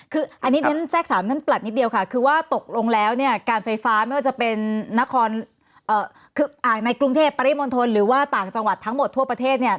คืออันนี้แทรกถามท่านประหลัดนิดเดียวค่ะคือว่าตกลงแล้วเนี่ยการไฟฟ้าไม่ว่าจะเป็นในกรุงเทพปริมณฑลหรือว่าต่างจังหวัดทั้งหมดทั่วประเทศเนี่ย